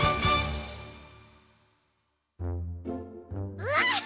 うわっは！